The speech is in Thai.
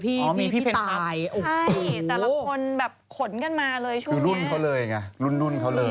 ใช่แต่ละคนแบบขนกันมาเลยช่วงนี้คือรุ่นเขาเลยไงรุ่นเขาเลย